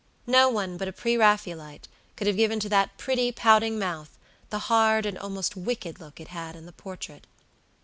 No one but a pre Raphaelite could have given to that pretty pouting mouth the hard and almost wicked look it had in the portrait.